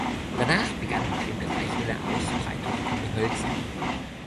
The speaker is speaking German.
Danach begann in vielen Bereichen eine Ausbreitung von Gehölzen.